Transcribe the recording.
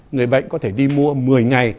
người bệnh có thể đi mua một mươi ngày